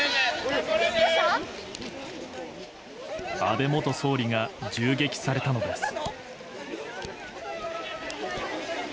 安倍元総理が銃撃されたのです。